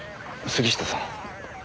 杉下さん。